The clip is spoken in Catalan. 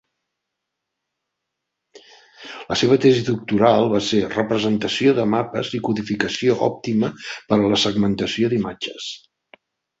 La seva tesi doctoral va ser "Representacions de mapes i codificació òptima per a la segmentació d'imatges".